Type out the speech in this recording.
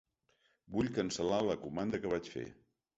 Vull cancel·lar la comanda que vaig fer.